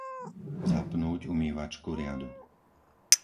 Zapnúť umývačku riadu.